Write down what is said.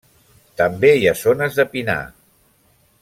També hi ha zones de pinar.